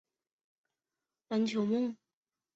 之后升任广东按察使。